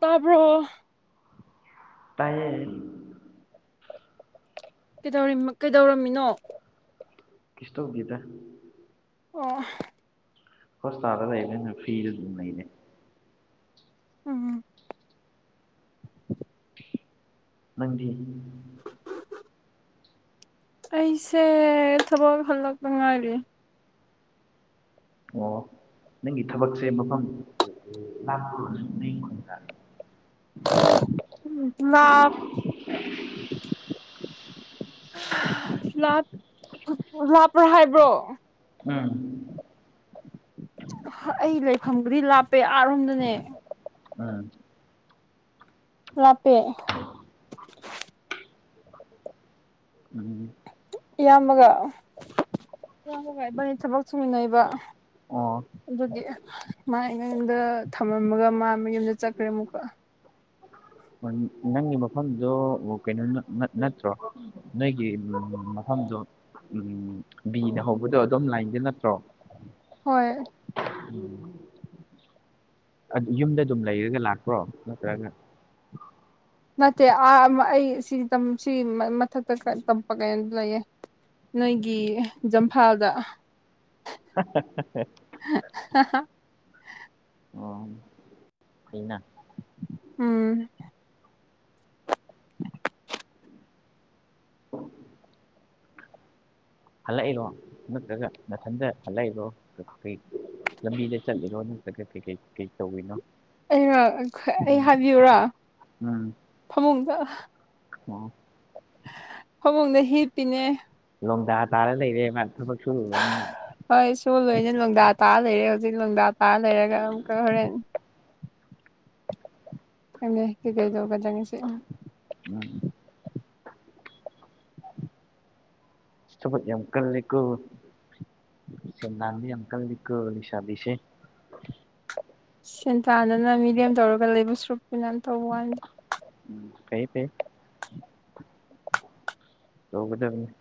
ꯇꯥꯕ꯭ꯔꯣ ꯇꯥꯏꯌꯦ ꯀꯩꯗꯧꯔꯝꯃꯤꯅꯣ ꯀꯩꯁꯨꯇꯧꯗꯤꯗ ꯑꯣ ꯍꯣꯁꯄꯤꯇꯥꯜꯗ ꯂꯩꯕꯅꯤꯅ ꯑꯗꯨꯝ ꯐ꯭ꯔꯤꯗ ꯑꯗꯨꯝ ꯂꯩꯅꯦ ꯎꯝ ꯅꯪꯗꯤ ꯑꯩꯁꯦ ꯊꯕꯛ ꯍꯜꯂꯛꯇ ꯉꯥꯏꯔꯤ ꯑꯣ ꯅꯪꯒꯤ ꯊꯕꯛꯁꯦ ꯃꯐꯝ ꯂꯥꯛꯄꯨꯔꯁꯨ ꯅꯈꯗ ꯂꯥꯞ ꯂꯥꯞꯄ꯭ꯔꯥ ꯍꯥꯏꯕ꯭ꯔꯣ ꯎꯝ ꯑꯩ ꯂꯩꯐꯝꯕꯨꯗꯤ ꯂꯥꯞꯄꯦ ꯑꯥꯔꯣꯝꯗꯅꯦ ꯎꯝ ꯂꯥꯞꯄꯦ ꯎꯝ ꯏꯌꯥꯝꯕꯒ ꯏꯌꯥꯝꯕꯒ ꯑꯩꯕꯅꯤ ꯊꯕꯛ ꯁꯨꯃꯤꯟꯅꯩꯕ ꯑꯣ ꯑꯗꯨꯗꯤ ꯃꯥ ꯑꯩ ꯃꯌꯨꯝꯗ ꯊꯝꯔꯝꯃꯒ ꯃꯥ ꯃꯌꯨꯝꯗ ꯆꯠꯈ꯭ꯔꯦ ꯑꯃꯨꯛꯀ ꯅꯪꯒꯤ ꯃꯐꯝꯗꯣ ꯀꯩꯅꯣ ꯅꯠ ꯅꯠꯇ꯭ꯔꯣ ꯅꯣꯏꯒꯤ ꯃꯐꯝꯗꯣ ꯎꯝ ꯕꯤꯅ ꯍꯧꯕꯗꯣ ꯑꯗꯨꯝ ꯂꯥꯏꯟꯗ ꯅꯠꯇ꯭ꯔꯣ ꯍꯣꯏ ꯎꯝ ꯑꯗ ꯌꯨꯝꯗ ꯑꯗꯨꯝ ꯂꯩꯔꯒ ꯂꯥꯛꯄ꯭ꯔꯣ ꯅꯠꯇ꯭ꯔꯒ ꯅꯠꯇꯦ ꯑꯥ ꯑꯩ [unintelligible] ꯃꯊꯛꯇ ꯈꯔ ꯇꯝꯄ ꯀꯩꯅꯣꯗ ꯂꯩꯌꯦ ꯅꯣꯏꯒꯤ ꯖꯝꯐꯥꯜꯗ [unintelligible] [unintelligible] ꯑꯣ ꯐꯩꯅꯥ ꯎꯝ ꯍꯜꯂꯛꯏꯔꯣ ꯅꯠꯇ꯭ꯔꯒ ꯃꯊꯟꯗ ꯍꯜꯂꯛꯏꯔꯣ ꯀꯩ ꯂꯝꯕꯤꯗ ꯆꯠꯂꯤꯔꯣ ꯅꯠꯇ꯭ꯔꯒ ꯀꯩꯀꯩ ꯀꯩ ꯇꯧꯋꯤꯅꯣ ꯑꯩꯔꯣ ꯑꯩ ꯍꯥꯏꯕꯤꯌꯨꯔꯣ ꯎꯝ ꯐꯃꯨꯡꯗ ꯑꯣ ꯐꯃꯨꯡꯗ ꯍꯤꯞꯄꯤꯅꯦ ꯂꯣꯡꯗꯥ ꯇꯥꯔ ꯂꯩꯔꯦ ꯃꯥ ꯊꯕꯛ ꯁꯨꯨꯔꯨꯔꯃꯤꯅ ꯍꯣꯏ ꯁꯨ ꯂꯣꯏꯅ ꯂꫭꯡꯗꯥ ꯇꯥꯔ ꯂꯩꯔꯦ ꯍꯧꯖꯤꯛ ꯂꯣꯡꯗꯥ ꯇꯥꯔ ꯂꯩꯔꯒ ꯑꯃꯨꯛꯀ ꯍꯣꯔꯦꯟ ꯈꯪꯗꯦ ꯀꯩꯀꯩꯗꯧꯒꯗ꯭ꯔ ꯉꯁꯤ ꯃꯥꯅꯤ ꯑꯁ ꯊꯕꯛ ꯌꯥꯝ ꯀꯜꯂꯤꯀꯣ ꯁꯦꯟꯗꯥꯟꯕ ꯌꯥꯝ ꯀꯜꯂꯤꯀꯣ ꯂꯩꯁꯥꯕꯤꯁꯦ ꯁꯦꯟꯇꯥꯟꯗꯅ ꯃꯤꯔꯦꯝ ꯇꯧꯔꯒ ꯂꯩꯕꯁ꯭ꯔꯨꯛꯇꯤꯅ ꯇꯧꯕ ꯋꯥꯅꯤ ꯐꯩꯌꯦ ꯐꯩꯌꯦ ꯇꯧꯒꯗꯕꯅꯦ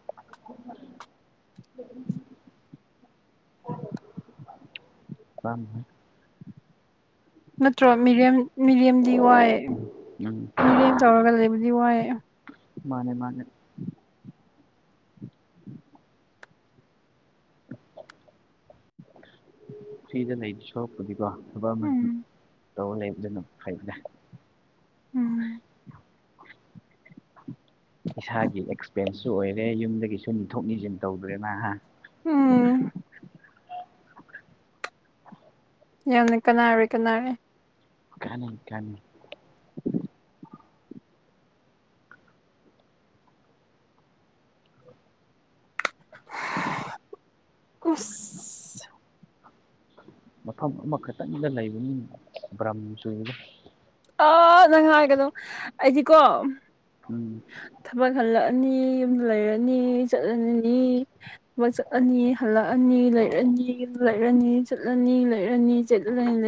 [inaudible] [inaudible] [unintelligible] ꯅꯠꯇ꯭ꯔꯣ ꯃꯤꯔꯦꯝ ꯃꯤꯔꯦꯝꯗꯤ ꯋꯥꯏꯌꯦ ꯎꯝ ꯃꯤꯔꯦꯝ ꯇꯧꯔꯒ ꯂꯩꯕꯗꯤ ꯋꯥꯏꯌꯦ ꯃꯥꯅꯦ ꯃꯥꯅꯦ ꯐ꯭ꯔꯤꯗ ꯂꯩꯗꯨ ꯁꯔꯨꯛꯄꯨꯗꯤꯀꯣ ꯊꯕꯛ ꯑꯃ ꯎꯝ ꯇꯧꯔ ꯂꯩꯕꯗꯨꯅ ꯐꯩꯗꯅ ꯎꯝ ꯏꯁꯥꯒꯤ ꯑꯦꯛꯁꯄꯦꯟꯁꯁꯨ ꯑꯣꯏꯔꯦ ꯌꯨꯝꯗꯒꯤꯁꯨ ꯅꯤꯊꯣꯛ ꯅꯤꯁꯤꯟ ꯇꯧꯗ꯭ꯔꯦꯅ ꯍꯥ ꯎꯝ ꯌꯥꯝꯅ ꯀꯥꯟꯅꯔꯦ ꯀꯥꯟꯅꯔꯦ ꯀꯥꯅꯅꯤ ꯀꯥꯅꯅꯤ ꯎꯁ ꯃꯐꯝ ꯑꯃꯈꯛꯇꯪꯗ ꯂꯩꯕꯅꯤꯅ ꯕ꯭ꯔꯝ ꯆꯨꯏꯗ ꯑꯥ ꯅꯪ ꯍꯥꯏꯒꯅꯨ ꯑꯩꯗꯤꯀꯣ ꯎꯝ ꯊꯕꯛ ꯍꯜꯂꯛꯑꯅꯤ ꯌꯨꯝꯗ ꯂꯩꯔꯅꯤ ꯆꯠꯂꯂꯅꯤ ꯊꯕꯛ ꯆꯠꯂꯅꯤ ꯍꯜꯂꯛꯑꯅꯤ ꯂꯩꯔꯅꯤ ꯌꯨꯝꯗ ꯂꯩꯔꯅꯤ ꯆꯠꯂꯅꯤ ꯂꯩꯔꯅꯤ ꯆꯠ ꯂꯩ [unintelligible]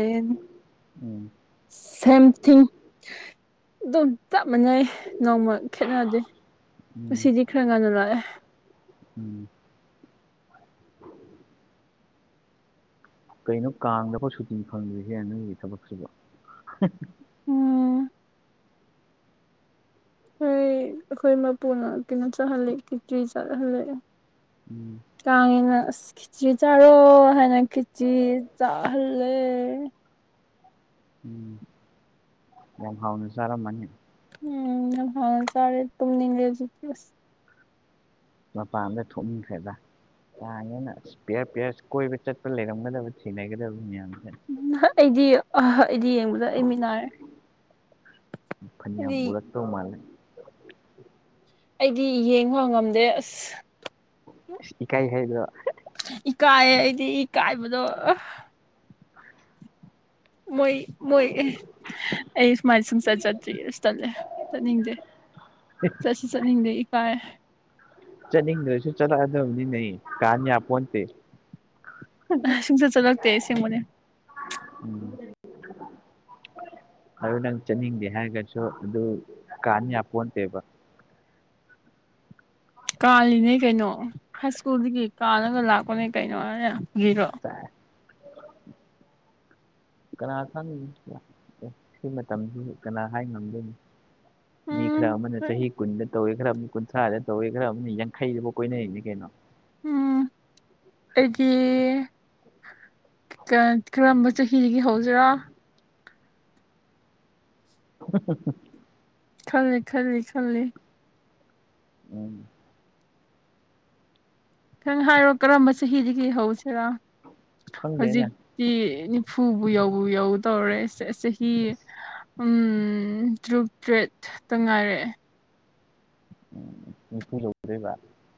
ꯑꯝ ꯁꯦꯝ ꯊꯤꯡ ꯑꯗꯨꯝ ꯆꯞ ꯃꯥꯟꯅꯩ ꯅꯣꯡꯃ ꯈꯦꯠꯅꯗꯦ ꯎꯝ ꯉꯁꯤꯗꯤ ꯈꯔ ꯉꯟꯅ ꯂꯥꯛꯑꯦ ꯎꯨꯝ ꯀꯩꯅꯣ ꯀꯥꯡꯗꯐꯥꯎ ꯁꯨꯇꯤ ꯐꯪꯗ꯭ꯔꯤꯁꯦ ꯅꯣꯢꯒꯤ ꯊꯕꯛꯁꯤꯕꯨ ꯎꯨꯝ ꯈꯣꯏ ꯑꯩꯈꯣꯏ ꯃꯄꯨꯅ ꯀꯩꯅꯣ ꯆꯥꯍꯜꯂꯦ ꯈꯦꯆ꯭ꯔꯤ ꯆꯥꯍꯜꯂꯦ ꯎꯨꯝ ꯀꯥꯡꯒꯤꯅ ꯑꯁ ꯈꯤꯆ꯭ꯔꯤ ꯆꯥꯔꯣ ꯍꯥꯏꯅ ꯈꯤꯆꯤ ꯆꯥꯍꯜꯂꯦ ꯎꯨꯝ ꯌꯥꯝ ꯍꯥꯎꯅ ꯆꯥꯔꯝꯃꯅꯤ ꯎꯝ ꯌꯥꯝ ꯍꯥꯎꯅ ꯆꯥꯔꯦ ꯇꯨꯝꯅꯤꯡꯉꯦ ꯍꯧꯖꯤꯛꯇꯤ ꯑꯁ ꯃꯄꯥꯟꯗ ꯊꯣꯛꯅꯤꯡꯈ꯭ꯔꯦꯗ ꯀꯥꯡꯅꯦꯅ ꯏꯁ ꯄꯤꯌꯔ ꯄꯤꯌꯔ ꯀꯣꯏꯕ ꯆꯠꯄ ꯂꯩꯔꯝꯒꯗꯕ ꯊꯦꯡꯅꯒꯗꯕ ꯃꯌꯥꯝꯁꯦ ꯎꯝ ꯑꯥ ꯑꯩꯗꯤ ꯑꯍꯥ ꯑꯩꯗꯤ ꯌꯦꯡꯕꯗ ꯑꯩ ꯃꯤꯠ ꯅꯥꯔꯦ ꯐꯅꯌꯥꯝ ꯍꯥꯏꯗꯤ ꯎꯔꯛꯇꯧ ꯃꯥꯜꯂꯦ ꯑꯩꯗꯤ ꯌꯦꯡꯕ ꯉꯝꯗ꯭ꯔꯦ ꯑꯁ ꯏꯁ ꯏꯀꯥꯏ ꯍꯥꯏꯗ꯭ꯔꯣ ꯏꯀꯥꯏꯌꯦ ꯑꯩꯗꯤ ꯏꯀꯥꯏꯕꯗꯣ [inaudible] ꯃꯣꯏ ꯃꯣꯏ ꯑꯩ ꯁꯨꯃꯥꯏꯅ ꯁꯨꯛꯆꯠ ꯆꯠꯇ꯭ꯔꯤ ꯏꯁ ꯇꯜꯂꯦ ꯆꯠꯅꯤꯡꯗꯦ ꯆꯠꯁꯨ ꯆꯠꯅꯤꯡꯗꯦ ꯏꯀꯥꯏ ꯆꯠꯅꯤꯡꯗ꯭ꯔꯁꯨ ꯆꯠꯂꯛꯑꯗꯕꯅꯤꯅꯦ ꯀꯥꯟ ꯌꯥꯄꯣꯟꯇꯦ ꯑꯥ ꯁꯨꯡꯆꯠ ꯆꯠꯂꯛꯇꯦ ꯑꯁꯦꯡꯕꯅꯦ [inaudible] ꯎꯨ ꯑꯗꯨ ꯅꯪ ꯆꯠꯅꯤꯡꯗꯦ ꯍꯥꯏꯔꯒꯁꯨ ꯑꯗꯨ ꯀꯥꯟ ꯌꯥꯄꯣꯟꯇꯦꯕ ꯀꯥꯜꯂꯤꯅꯦ ꯀꯩꯅꯣ ꯍꯥꯏ ꯁ꯭ꯀꯨꯜꯗꯒꯤ ꯀꯥꯜꯂꯒ ꯂꯥꯛꯄꯅꯦ ꯀꯩꯅꯣ [unintelligible] ꯀꯅꯥ ꯈꯪꯅꯤ ꯑꯦ ꯁꯤ ꯃꯇꯝꯁꯤ ꯀꯅꯥ ꯍꯥꯏ ꯉꯝꯗꯣꯏꯅꯣ ꯃꯤ ꯈꯔ ꯎꯝ ꯑꯃꯅ ꯆꯍꯤ ꯀꯨꯟꯗ ꯇꯧꯋꯦ ꯈꯔ ꯑꯃ ꯀꯨꯟꯊ꯭ꯔꯥꯗ ꯇꯧꯋꯦ ꯈꯔ ꯑꯃꯅ ꯌꯥꯡꯈꯩꯗꯕꯥꯎ ꯀꯣꯏꯅꯔꯤꯅꯦ ꯀꯩꯅꯣ ꯎꯝ ꯑꯩꯗꯤ ꯀꯥ ꯀꯔꯝꯕ ꯆꯍꯤꯗꯒꯤ ꯍꯧꯁꯤꯔꯥ ꯍ ꯍ ꯍ ꯈꯜꯂꯤ ꯈꯜꯂꯤ ꯈꯜꯂꯤ ꯎꯝ ꯈꯪ ꯍꯥꯏꯔꯣ ꯀꯔꯝꯕ ꯆꯍꯤꯗꯒꯤ ꯍꯧꯁꯤꯔꯥ ꯍꯧꯖꯤꯛ ꯈꯪꯗꯦꯅꯦ ꯀꯤ ꯅꯤꯐꯨꯕꯨ ꯌꯧꯕꯨ ꯌꯧꯗꯧꯔꯦ ꯆ ꯆꯍꯤ ꯎꯝ ꯇꯔꯨꯛ ꯇꯔꯦꯠꯇ ꯉꯥꯏꯔꯦ ꯎꯝ ꯅꯤꯐꯨ ꯌꯧꯗꯣꯏꯕ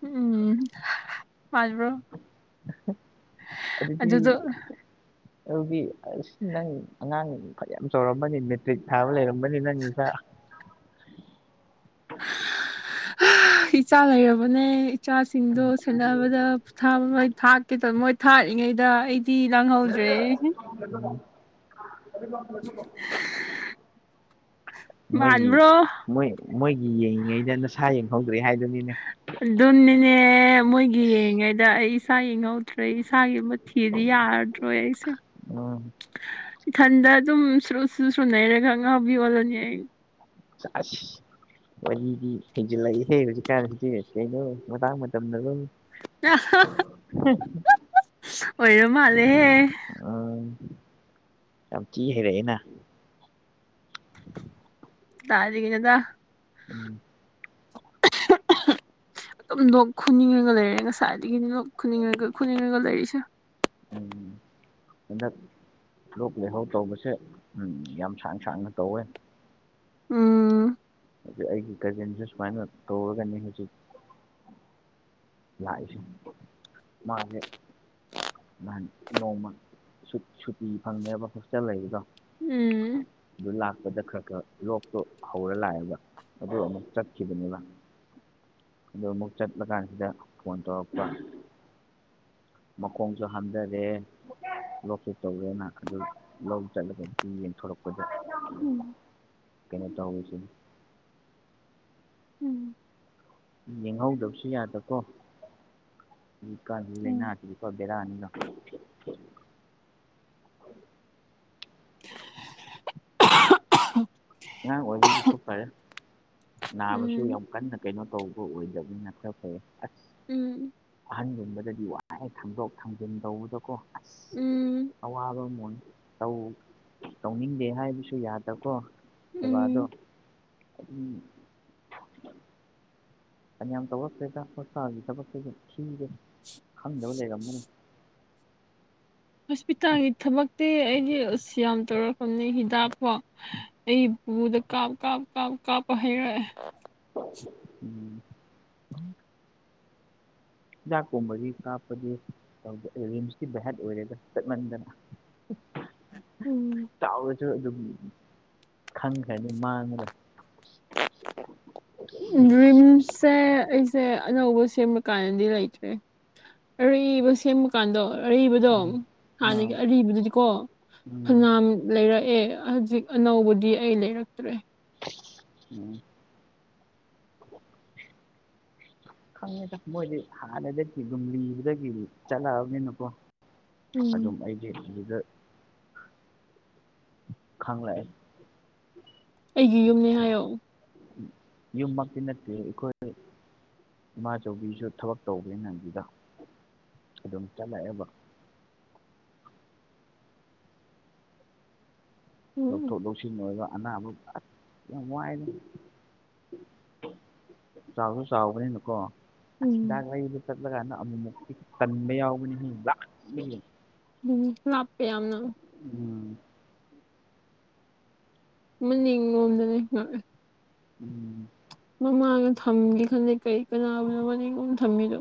ꯎꯝ ꯃꯥꯟꯕ꯭ꯔꯣ ꯑꯗꯨꯗꯤ ꯑꯗꯨꯗꯣ ꯑꯗꯨꯗꯤ ꯑꯁ ꯅꯪ ꯑꯉꯥꯡ ꯐꯅꯌꯥꯝ ꯆꯥꯎꯔꯝꯅꯤ ꯃꯤꯠ ꯇꯤꯛ ꯊꯥꯕ ꯂꯩꯔꯝꯒꯅꯤ ꯅꯪ ꯅꯆꯥ [inaudible] ꯏꯆꯥ ꯂꯩꯔꯕꯅꯦ ꯏꯆꯥꯁꯤꯡꯗꯣ ꯁꯦꯟꯅꯕꯗ ꯄꯣꯊꯥꯕ ꯃꯩ ꯊꯥꯛꯀꯦ ꯇꯧ ꯃꯣꯏ ꯊꯥꯛꯏꯉꯩꯗ ꯑꯩꯗꯤ ꯂꯥꯡꯍꯧꯗ꯭ꯔꯦ ꯍꯦ [unintelligible] ꯃꯣꯏꯒꯤ ꯃꯥꯟꯕ꯭ꯔꯣ ꯃꯣꯏ ꯃꯣꯏꯒꯤ ꯌꯦꯡꯉꯤꯉꯩꯗ ꯅꯁꯥ ꯌꯦꯡꯍꯧꯗ꯭ꯔꯦ ꯍꯥꯏꯗꯨꯅꯤꯅꯦ ꯑꯗꯨꯅꯤꯅꯦ ꯃꯣꯏꯒꯤ ꯌꯦꯡꯉꯤꯉꯩꯗ ꯑꯩ ꯏꯁꯥ ꯌꯦꯡꯍꯧꯗ꯭ꯔꯦ ꯏꯁꯥꯒꯤ ꯃꯠ ꯊꯤꯗꯤ ꯌꯥꯗꯔꯦ ꯑꯩꯁꯨ ꯑꯥ ꯏꯊꯟꯗ ꯑꯗꯨꯝ ꯁꯔꯨ ꯁꯔꯨ ꯁꯔꯨ ꯅꯩꯔꯒ ꯑꯉꯥꯎꯕꯤ ꯑꯣꯜꯂꯅꯤ ꯑꯩ ꯆꯥ ꯑꯁ ꯋꯥꯔꯤꯗꯤ ꯍꯦꯟꯖꯤꯜꯂꯛꯏꯍꯦ ꯍꯧꯖꯤꯛꯀꯥꯟꯁꯦ ꯀꯩꯅꯣ ꯃꯇꯥꯡ ꯃꯇꯝꯅꯔꯣ ꯑꯣꯏꯔ ꯃꯥꯜꯂꯦꯍꯦ ꯑꯥ ꯌꯥꯝ ꯊꯤ ꯍꯩꯔꯛꯑꯦꯅꯥ ꯇꯥꯔꯤꯀꯩꯅꯣꯗꯥ ꯎꯝ ꯑꯗꯨꯝ ꯂꯣꯛ ꯈꯨꯅꯤꯡꯉꯒ ꯂꯩꯔꯦ ꯉꯁꯥꯏꯗꯒꯤꯗꯤ ꯂꯣꯛ ꯈꯨꯅꯤꯡꯉꯒ ꯈꯨꯅꯤꯡꯉꯒ ꯂꯩꯔꯤꯁꯦ ꯎꯝ ꯍꯟꯗꯛ ꯂꯣꯛ ꯂꯥꯏꯍꯧ ꯇꯧꯕꯁꯦ ꯎꯝ ꯌꯥꯝ ꯁꯥꯡ ꯁꯥꯡꯅ ꯇꯧꯋꯦ ꯎꯝ ꯑꯗꯨ ꯑꯩꯒꯤ ꯀꯖꯤꯟꯗ ꯁꯨꯃꯥꯏꯅ ꯇꯧꯔꯒꯅꯤ ꯍꯧꯖꯤꯛ ꯂꯥꯏꯁꯨ ꯃꯥꯅꯦ ꯅꯍꯥꯟ ꯅꯣꯡꯃꯥ ꯁꯨꯠ ꯁꯨꯇꯤ ꯐꯪꯉꯦꯕ ꯍꯣꯁꯇꯦꯜ ꯂꯩꯕꯗꯣ ꯎꯝꯎꯨꯝ ꯑꯗꯨ ꯂꯥꯛꯄꯗ ꯈꯔ ꯈꯔ ꯂꯣꯛꯇꯣ ꯍꯧꯔ ꯂꯥꯛꯑꯦꯕ ꯑꯗꯨ ꯑꯃꯨꯛ ꯆꯠꯈꯤꯕꯅꯦꯕ ꯑꯗꯣ ꯑꯃꯨꯛ ꯆꯠꯄꯥ ꯀꯥꯟꯁꯤꯗ ꯐꯣꯟ ꯇꯧꯔꯛꯄ ꯃꯈꯣꯡꯖꯨ ꯍꯥꯝꯗꯔꯦ ꯂꯣꯛꯁꯨ ꯇꯧꯋꯦꯅ ꯑꯗꯨ ꯂꯧ ꯆꯠꯂꯒ ꯌꯦꯡꯊꯣꯔꯛ ꯄꯗ ꯎꯝ ꯀꯩꯅꯣ ꯇꯧꯔꯤꯖꯤꯅꯤ ꯎꯝ ꯌꯦꯡꯍꯧꯗꯕꯁꯨ ꯌꯥꯗꯀꯣ ꯍꯧꯖꯤꯀꯥꯟꯒꯤ ꯎꯝ ꯂꯥꯏꯅꯥꯁꯤꯗꯤ ꯄꯨꯔꯥ ꯕꯦꯔꯥꯅꯤꯅ [inaudible] ꯑꯉꯥꯡ ꯑꯣꯏꯕꯒꯤꯁꯨ ꯐꯔꯦ ꯅꯥꯕꯁꯨ ꯎꯝ ꯌꯥꯝ ꯀꯟꯅ ꯀꯩꯅꯣ ꯇꯧꯕ ꯑꯣꯏꯗꯝꯅꯤꯅ ꯈꯔ ꯐꯩꯌꯦ ꯑꯁ ꯎꯝ ꯑꯍꯟꯒꯨꯝꯕꯗꯗꯤ ꯋꯥꯏ ꯊꯥꯡꯗꯣꯛ ꯊꯥꯡꯖꯤꯟ ꯇꯧꯕꯗꯀꯣ ꯎꯝ ꯑꯁ ꯑꯋꯥꯕ ꯑꯝ ꯑꯣꯏ ꯇꯧ ꯇꯧꯅꯤꯡꯗꯦ ꯍꯥꯏꯕꯁꯨ ꯌꯥꯗꯀꯣ ꯁꯦꯕꯥꯗꯣ ꯎꯝ ꯎꯝ ꯐꯅꯌꯥꯝ ꯇꯧꯔꯛꯇꯦꯗꯥ ꯍꯣꯁꯇꯥꯜꯒꯤ ꯊꯕꯛꯁꯤꯗꯤ ꯁꯨꯗꯦ ꯈꯪꯗꯕ ꯂꯩꯔꯝꯃꯅꯤ ꯍꯣꯁꯄꯤꯇꯥꯜꯒꯤ ꯊꯕꯛꯇꯤ ꯑꯩꯗꯤ ꯑꯁ ꯌꯥꯝ ꯇꯧꯔꯛꯄꯅꯦ ꯍꯤꯗꯥꯛꯐꯥꯎ ꯑꯩꯄꯨꯗ ꯀꯥꯞ ꯀꯥꯞ ꯀꯥꯞ ꯀꯥꯞꯄ ꯍꯥꯏꯔꯛꯑꯦ [unintelligible] ꯎꯝ ꯍꯤꯗꯥꯛꯀꯨꯝꯕꯒꯤ ꯀꯥꯞꯄꯗꯤ ꯀꯪ ꯔꯤꯝꯁꯀꯤ ꯚꯍꯦꯠ ꯑꯣꯏꯔꯦꯗ ꯆꯠꯃꯟꯗꯅ ꯎꯝ ꯆꯥꯎꯔꯁꯨ ꯑꯗꯨꯝ ꯈꯟꯈ꯭ꯔꯅꯤ ꯃꯥꯡꯉꯒꯥ ꯎꯝ ꯔꯤꯝꯁ ꯁꯦ ꯑꯩꯁꯦ ꯑꯅꯧꯕ ꯁꯦꯝꯕ ꯀꯥꯟꯗꯗꯤ ꯂꯩꯇ꯭ꯔꯦ ꯑꯔꯤꯕ ꯁꯦꯝꯕ ꯀꯥꯟꯗꯣ ꯑꯔꯤꯕꯗꯣ ꯎꯝ ꯑꯥ ꯍꯥꯟꯅꯒꯤ ꯑꯔꯤꯕꯗꯨꯗꯤꯀꯣ ꯎꯝ ꯐꯅꯌꯥꯝ ꯂꯩꯔꯛꯑꯦ ꯍꯥꯖꯤꯛ ꯑꯅꯧꯕꯗꯤ ꯑꯩ ꯂꯩꯔꯛꯇ꯭ꯔꯦ ꯎꯝ ꯈꯪꯉꯦꯗ ꯃꯣꯏꯗꯤ ꯍꯥꯟꯅꯗꯒꯤ ꯑꯗꯨꯝ ꯂꯤꯕꯗꯒꯤ ꯆꯂꯛꯑ ꯕꯅꯤꯅꯀꯣ ꯎꯝ ꯑꯗꯨꯝ ꯑꯩꯗꯤ ꯑꯗꯨꯗ ꯈꯥꯡꯂꯛꯑꯦ ꯑꯩꯒꯤ ꯌꯨꯝꯅꯦ ꯍꯥꯏꯌꯣ ꯌꯨꯝꯃꯛꯇꯤ ꯅꯠꯇꯦ ꯑꯩꯈꯣꯏ ꯏꯃꯥꯆꯧꯕꯤꯁꯨ ꯊꯕꯛ ꯇꯧꯕꯅꯤꯅ ꯑꯗꯨꯗ ꯑꯗꯨꯝ ꯆꯠꯂꯛꯑꯦꯕ ꯎꯝ ꯂꯧꯊꯣꯛ ꯂꯧꯁꯤꯟ ꯑꯣꯏꯔ ꯑꯅꯥꯕ ꯑꯁ ꯌꯥꯝ ꯋꯥꯏꯗ ꯆꯥꯎꯁꯨ ꯆꯥꯎꯕꯅꯤꯅꯀꯣ ꯑꯁ ꯍꯤꯗꯥꯛ ꯎꯝ ꯂꯩꯕ ꯆꯠꯂꯒꯥꯟꯗ ꯑꯃꯨꯛꯃꯨꯛꯇꯤ ꯇꯟꯕ ꯌꯥꯎꯕꯅꯤꯍꯦ ꯂꯥꯛ ꯏ ꯎꯝ ꯂꯥꯞꯄꯦ ꯌꯥꯝꯅ ꯎꯝ ꯃꯅꯤꯡ ꯂꯣꯝꯗꯅꯦ ꯉꯥꯛꯑꯦ ꯎꯝ ꯃꯃꯥꯡꯗ ꯊꯝꯒꯦ ꯈꯟꯗꯦ ꯀꯩ ꯀꯅꯥꯕꯨꯅꯣ ꯃꯅꯤꯡꯂꯣꯝ ꯊꯝꯃꯤꯗꯣ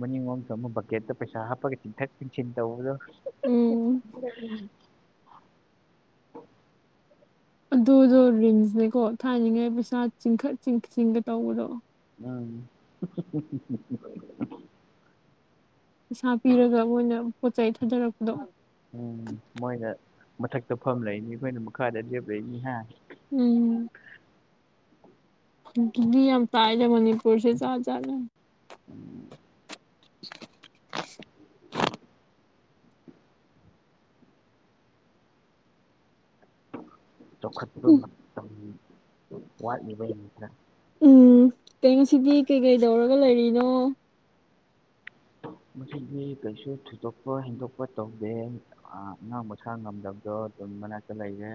ꯃꯅꯤꯡꯂꯣꯝ ꯊꯧꯕ ꯕꯛꯀꯦꯠꯇ ꯄꯩꯁꯥ ꯍꯥꯞꯄꯒ ꯆꯤꯡꯊꯠ ꯆꯤꯡꯁꯤꯟ ꯇꯧꯕꯗꯣ ꯎꯝ ꯑꯗꯨꯗꯣ ꯔꯤꯝꯁꯅꯦꯀꯣ ꯊꯥꯢꯅꯉꯩ ꯄꯩꯁꯥ ꯆꯤꯡꯈꯠ ꯆꯤꯡ ꯆꯤꯡꯒ ꯇꯧꯕꯗꯣ [unintelligible] ꯄꯩꯁꯥ ꯄꯤꯔꯒ ꯃꯣꯏꯅ ꯄꯣꯠ ꯆꯩꯩ ꯊꯥꯗꯔꯛꯄꯗꯣ ꯎꯝ ꯃꯣꯏꯅ ꯃꯊꯛꯇ ꯐꯝ ꯂꯩꯅꯤ ꯑꯩꯈꯣꯏꯅ ꯃꯈꯥꯗ ꯂꯦꯞ ꯂꯩꯅꯤ ꯍꯥꯏ ꯎꯝ ꯌꯥꯝ ꯇꯥꯢꯗ ꯃꯅꯤꯄꯨꯔꯁꯦ ꯖꯥꯠ ꯖꯥꯠꯅꯦ [inaudible] [inaudible] ꯆꯥꯎꯈꯠꯄ ꯃꯇꯝ ꯋꯥꯠꯂꯤꯕꯩꯅꯤꯗ ꯎꯝ ꯀꯩ ꯉꯁꯤꯗꯤ ꯀꯩꯀꯩ ꯇꯧꯔꯒ ꯂꯩꯔꯤꯅꯣ ꯉꯁꯤꯗꯤ ꯀꯩꯁꯨ ꯊꯣꯏꯗꯣꯛꯄ ꯍꯦꯟꯗꯣꯛꯄ ꯇꯧꯗꯦ ꯑ ꯑꯉꯥꯡ ꯃꯁꯥ ꯉꯝꯗꯕꯗꯣ ꯑꯗꯨꯝ ꯃꯅꯥꯛꯇ ꯂꯩꯌꯦ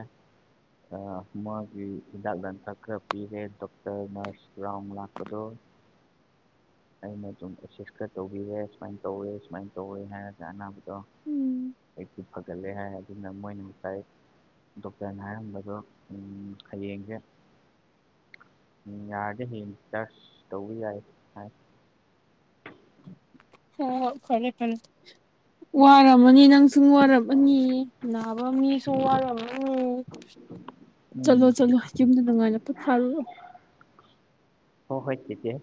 ꯑ ꯃꯥꯒꯤ ꯍꯤꯗꯥꯛ ꯂꯥꯡꯊꯛ ꯈꯔ ꯄꯤꯔꯦ ꯗꯣꯛꯇꯔ ꯅꯔꯁ ꯔꯥꯎꯟ ꯂꯥꯛꯄꯗꯣ ꯑꯩꯅ ꯑꯗꯨꯝ ꯑ‌‌ꯦꯁꯤꯁ ꯈꯔ ꯇꯧꯕꯤꯔꯦ ꯁꯨꯃꯥꯏꯅ ꯇꯧꯋꯦ ꯁꯨꯃꯥꯏꯅ ꯇꯧꯋꯦ ꯍꯥꯏꯔꯒ ꯑꯅꯥꯕ ꯇꯣ ꯎꯝ ꯑꯌꯨꯛꯇꯤ ꯐꯒꯠꯂꯦ ꯍꯥꯏꯔ ꯑꯗꯨꯅ ꯃꯣꯏꯅ ꯗꯣꯛꯇꯔꯅ ꯍꯥꯏꯔꯝꯕꯗꯣ ꯍꯌꯦꯡꯁꯦ ꯎꯝ ꯌꯥꯔꯗꯤ ꯍꯌꯦꯡ ꯗꯤꯆꯥꯔꯁ ꯇꯧꯕ ꯌꯥꯢ ꯍꯥꯢ ꯍꯣꯏ ꯍꯣꯏ ꯐꯔꯦ ꯐꯔꯦ ꯋꯥꯔꯝꯃꯅꯤ ꯅꯪ ꯅꯪꯁꯨ ꯋꯥꯔꯝꯃꯅꯤ ꯅꯥꯕ ꯃꯤꯁꯨ ꯋꯥꯔꯝꯃꯅꯤ ꯎꯝ ꯆꯠꯂꯣ ꯆꯠꯂꯣ ꯌꯨꯝꯗ ꯅꯨꯡꯉꯥꯏꯅ ꯄꯣꯊꯥꯔꯨꯔꯣ ꯍꯣ ꯍꯣꯏ ꯆꯦꯆꯦ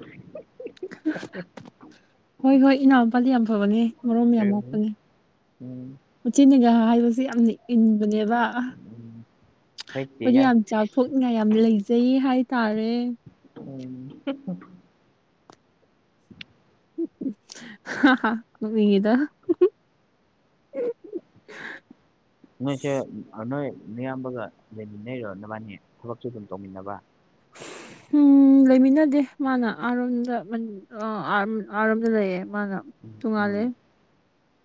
ꯍꯣꯏ ꯍꯣꯏ ꯏꯅꯥꯎꯄꯥꯗꯤ ꯌꯥꯝ ꯐꯕꯅꯦ ꯃꯔꯣꯝ ꯌꯥꯝ ꯎꯝ ꯃꯣꯛꯄꯅꯦ ꯎꯝ ꯃꯆꯦꯅꯒ ꯍꯥꯏꯕꯁꯦ ꯌꯥꯝꯅ ꯏꯟꯕꯅꯦꯕ ꯑ ꯎꯝ ꯍꯣꯏ ꯆꯦ ꯑꯩꯈꯣꯏꯗꯤ ꯌꯥꯏ ꯌꯥꯝ ꯑꯁ ꯆꯥꯎꯊꯣꯛꯅꯤꯡꯉꯥꯏ ꯌꯥꯝ ꯂꯩꯖꯩ ꯍꯥꯏ ꯇꯥꯔꯦ [unintelligible] ꯅꯣꯛꯅꯤꯡꯉꯤꯗ ꯅꯣꯢꯁꯦ ꯑꯃꯥ ꯅꯣꯏ ꯅꯌꯥꯝꯕꯒ ꯂꯩꯃꯤꯟꯅꯩꯔꯣ ꯅꯕꯥꯟꯅꯤ ꯊꯕꯛꯁꯨ ꯑꯗꯨꯝ ꯇꯧꯃꯤꯟꯅꯕ ꯎꯝ ꯂꯩꯃꯤꯟꯅꯗꯦ ꯃꯥꯅ ꯑꯥꯔꯣꯝꯗ ꯃ ꯑꯣ ꯑꯥ ꯑꯥꯔꯣꯝꯗ ꯂꯩꯑꯦ ꯃꯥꯅ ꯇꯣꯡꯉꯥꯜꯂꯦ ꯎꯝ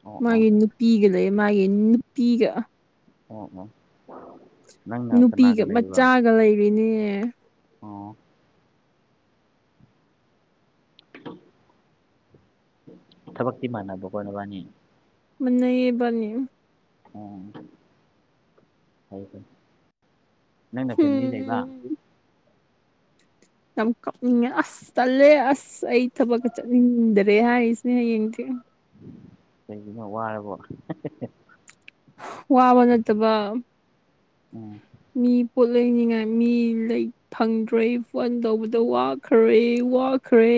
ꯑꯣ ꯑꯣ ꯃꯥꯒꯤ ꯅꯨ ꯄꯤꯒ ꯂꯩꯌꯦ ꯃꯥꯒꯤ ꯅꯨꯄꯤꯒ ꯑꯣ ꯎꯝ ꯅꯨꯄꯤꯒ ꯃꯆꯥꯒ ꯂꯩꯔꯤꯅꯦ ꯑꯣ ꯊꯕꯛꯇꯤ ꯃꯥꯟꯅꯕ ꯀꯣ ꯅꯕꯥꯅꯤ ꯃꯥꯟꯅꯩꯌꯦ ꯏꯕꯥꯅꯤ ꯑꯣ ꯐꯩ ꯐꯩ ꯅꯪꯅ ꯐ‌ꯦꯝꯂꯤ ꯂꯩꯕ ꯎꯝ ꯌꯥꯝ ꯀꯞꯅꯤꯡꯉꯦ ꯑꯁ ꯇꯜꯂꯦ ꯑꯁ ꯑꯩ ꯊꯕꯛꯀ ꯆꯠꯅꯤꯡꯗꯦ ꯔꯦ ꯍꯥꯢꯔꯤꯁꯤꯅꯦ ꯍꯌꯦꯡꯗꯤ ꯀꯩꯒꯤꯅꯣ ꯋꯥꯔꯕꯣ ꯋꯥꯕ ꯅꯠꯇꯕ ꯑꯣ ꯃꯤ ꯄꯣꯠ ꯂꯩꯅꯤꯡꯉꯥꯏ ꯃꯤ ꯂꯩ ꯐꯪꯗ꯭ꯔꯦ ꯐꯣꯟ ꯇꯧꯕꯗ ꯋꯥꯈ꯭ꯔꯦ ꯋꯥꯈ꯭ꯔꯦ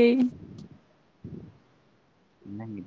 ꯅꯪꯒꯤ